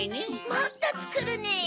もっとつくるネ。